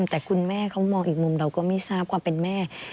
แต่คุณแม่เขามองอีกมุมเราก็ไม่ทราบความเป็นแม่